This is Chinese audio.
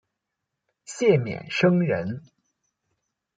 谢冠生人。